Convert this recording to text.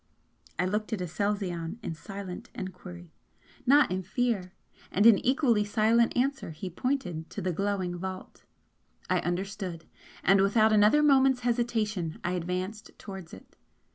I looked at Aselzion in silent enquiry not in fear and in equally silent answer he pointed to the glowing vault. I understood and without another moment's hesitation I advanced towards it.